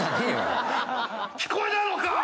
聞こえねぇのか！